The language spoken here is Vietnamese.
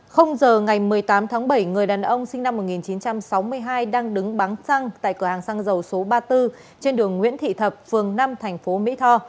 giờ ngày một mươi tám tháng bảy người đàn ông sinh năm một nghìn chín trăm sáu mươi hai đang đứng bắn xăng tại cửa hàng xăng dầu số ba mươi bốn trên đường nguyễn thị thập phường năm tp mỹ tho